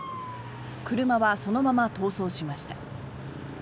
車はそのまま逃走しました。